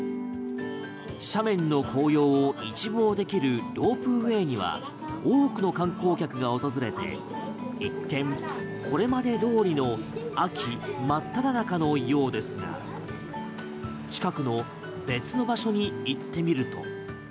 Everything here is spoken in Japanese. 斜面の紅葉を一望できるロープウェイには多くの観光客が訪れて一見、これまで通りの秋真っただ中の多いようですが近くの別の場所に行ってみると。